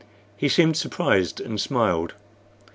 He seemed surprised, and smiled.